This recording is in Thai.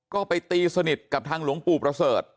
ก็ไปตีสนิทกับทางหลวงปู่ประเสริฐ